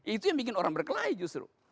itu yang bikin orang berkelahi justru